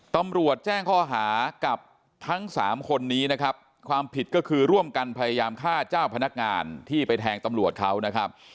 ตำรวจแจ้งข้อหากับทั้งสามคนนี้นะครับความผิดก็คือร่วมกันพยายามฆ่าเจ้าพนักงานที่ไปแทงตำรวจเขานะครับ